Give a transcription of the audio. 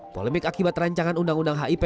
polemik akibat rancangan undang undang hip